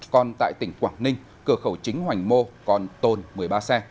còn tại tỉnh quảng ninh cửa khẩu chính hoành mô còn tồn một mươi ba xe